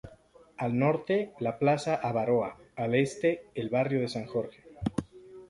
Al norte la Plaza Abaroa, al este el barrio de San Jorge.